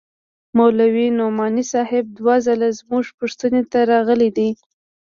مولوي نعماني صاحب دوه ځله زموږ پوښتنې ته راغلى دى.